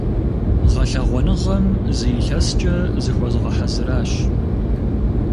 Гъэлъэгъуэныгъэм зы илъэскӀэ зыхуэзгъэхьэзыращ.